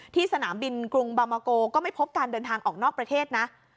สนามบินกรุงบามาโกก็ไม่พบการเดินทางออกนอกประเทศนะ